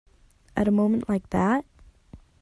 At a moment like that?